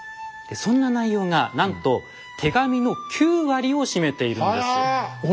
そんな内容がなんと手紙の９割を占めているんです。